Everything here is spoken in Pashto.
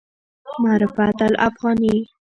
معرفت الافغاني